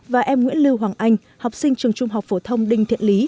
và em nguyễn lưu hoàng anh học sinh trường trung học phổ thông đinh thiện lý